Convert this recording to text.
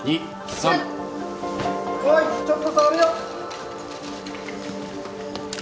３！おいちょっと触るよ。